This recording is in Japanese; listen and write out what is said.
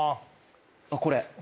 あっこれ。